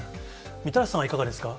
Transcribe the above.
みたらしさんは、いかがですか。